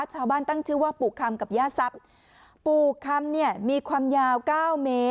ชาวบ้านตั้งชื่อว่าปู่คำกับย่าทรัพย์ปู่คำเนี่ยมีความยาวเก้าเมตร